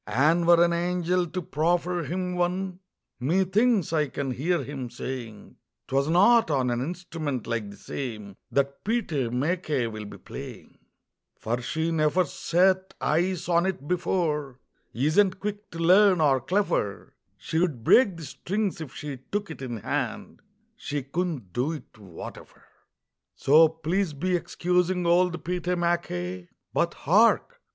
And were an angel to proffer him one, Methinks I can hear him saying: "'Twas not on an instrument like the same That Pete MacKay will be playing, "For she neffer set eyes on it before, Isn't quick to learn, or cleffer; She'd break the strings if she took it in hand, She couldn't do it, whateffer. "So please be excusing old Pete MacKay But hark!